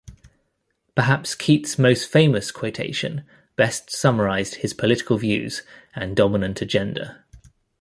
Perhaps Keitt's most famous quotation best summarized his political views and dominant agenda.